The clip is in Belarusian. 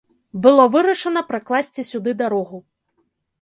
Было вырашана пракласці сюды дарогу.